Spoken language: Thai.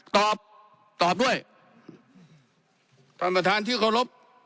ตอบตอบด้วยท่านประธานที่เคารพ